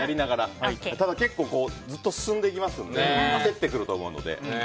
ただ、結構ずっと進んでいきますので焦ってくると思うので。